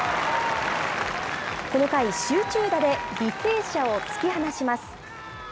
この回、集中打で履正社を突き放します。